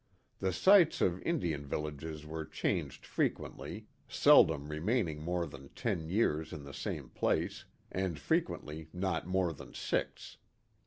The sites of In dian villages were changed frequently, seldom remaining more than ten years in the same place, and frequently not more than six."